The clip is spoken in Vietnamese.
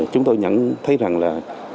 chúng tôi nhận thấy rằng là